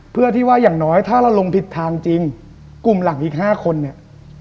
เพื่อที่ว่าอย่างน้อยถ้าเราลงผิดทางจริงกลุ่มหลักอีก๕คนเนี่ย